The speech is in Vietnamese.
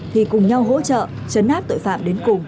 thì cùng nhau hỗ trợ chấn áp tội phạm